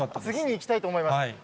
次に行きたいと思います。